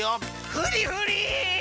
ふりふり！